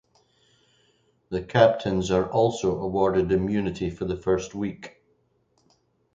The Captains are also awarded immunity for the first week.